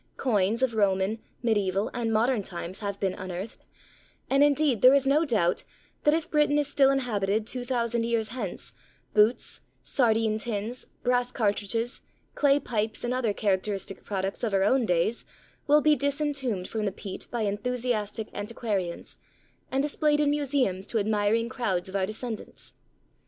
Coins of Roman, medieval, and modern times have been unearthed, and indeed there is no doubt that if Britain is still inhabited two thousand years hence, boots, sardine tins, brass cartridges, clay pipes, and other characteristic products of our own days, will be disentombed from the peat by enthusiastic antiquarians, and displayed in museums to admiring crowds of our descendants.